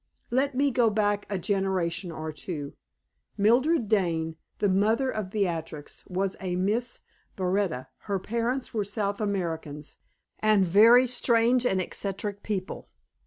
Let me go back a generation or two. Mildred Dane, the mother of Beatrix, was a Miss Baretta; her parents were South Americans, and very strange and eccentric people.